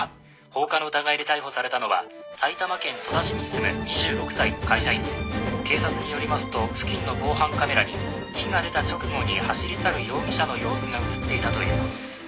放火の疑いで逮捕されたのは埼玉県戸田市に住む２６歳の会社員で警察によりますと付近の防犯カメラに火が出た直後に走り去る容疑者の様子が写っていたということです